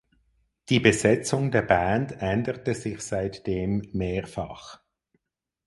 Die Besetzung der Band änderte sich seitdem mehrfach.